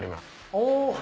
お！